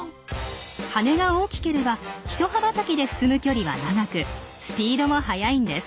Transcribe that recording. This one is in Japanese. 羽が大きければひと羽ばたきで進む距離は長くスピードも速いんです。